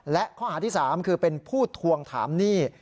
และข้อหาที่๓คือเป็นผู้ทวงถามหนี้